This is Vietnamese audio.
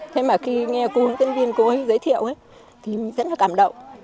thế mà khi nghe cô hướng dẫn viên cô ấy giới thiệu thì rất là cảm động